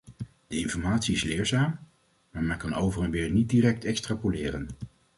De informatie is leerzaam, maar men kan over en weer niet direct extrapoleren.